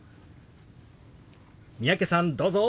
三宅さんどうぞ。